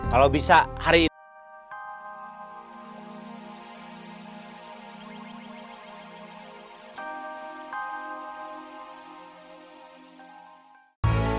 kalau bisa hari ini